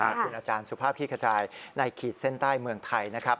อาจารย์สุภาพคลี่ขจายในขีดเส้นใต้เมืองไทยนะครับ